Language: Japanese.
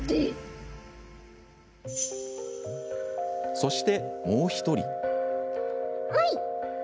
そして、もう１人。